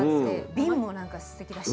びんも何かすてきだし。